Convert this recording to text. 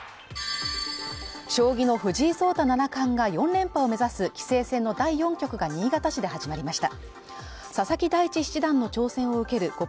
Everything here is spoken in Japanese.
将棋の藤井聡太七冠が４連覇を目指す棋聖戦の第４局が新潟市で始まりました。